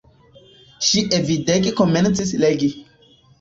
Ŝi avidege komencis legi.